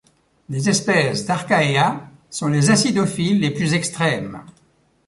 Des espèces d'Archaea sont les acidophiles les plus extrêmes.